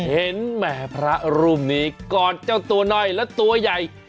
แหมพระรูปนี้กอดเจ้าตัวน้อยและตัวใหญ่